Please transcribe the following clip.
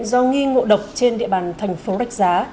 do nghi ngộ độc trên địa bàn thành phố rạch giá